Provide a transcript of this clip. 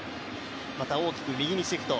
大きく右にシフト